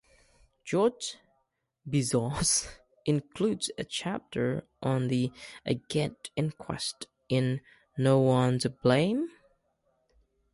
George Bizos includes a chapter on the Aggett inquest in No One to Blame?